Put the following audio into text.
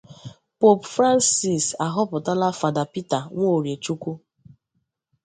Poopu Francis ahọpụtala Fada Peter Nworie Chukwu